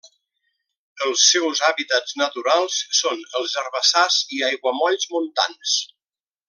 Els seus hàbitats naturals són els herbassars i aiguamolls montans.